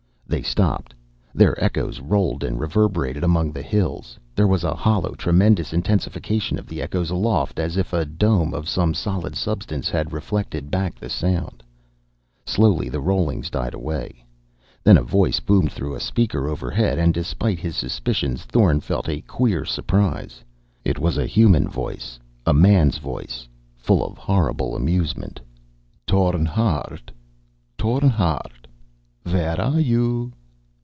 They stopped. Their echoes rolled and reverberated among the hills. There was a hollow, tremendous intensification of the echoes aloft as if a dome of some solid substance had reflected back the sound. Slowly the rollings died away. Then a voice boomed through a speaker overhead, and despite his suspicions Thorn felt a queer surprise. It was a human voice, a man's voice, full of a horrible amusement. "Thorn Hardt! Thorn Hardt! Where are you?"